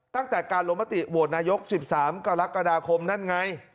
ตั้งแต่การลงมติโหวตนายก๑๓กรกฎาคมนั่นไง